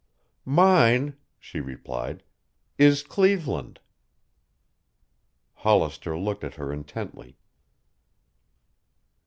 "Mine," she replied, "is Cleveland." Hollister looked at her intently.